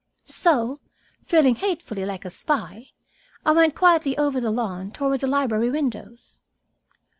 So, feeling hatefully like a spy, I went quietly over the lawn toward the library windows.